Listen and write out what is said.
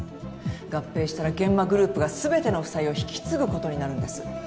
合併したら諫間グループが全ての負債を引き継ぐことになるんです。